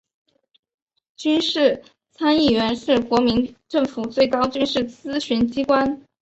军事参议院是国民政府最高军事咨询机关。